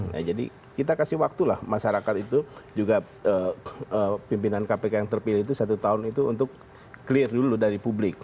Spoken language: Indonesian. nah jadi kita kasih waktu lah masyarakat itu juga pimpinan kpk yang terpilih itu satu tahun itu untuk clear dulu dari publik